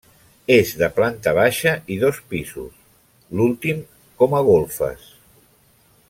És de planta baixa i dos pisos, l'últim com a golfes.